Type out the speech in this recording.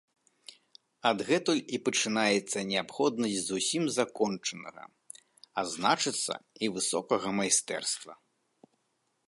Адгэтуль і пачынаецца неабходнасць зусім закончанага, а значыцца, і высокага майстэрства.